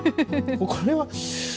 これは。